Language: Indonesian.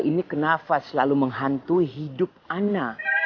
ini kenapa selalu menghantui hidup ana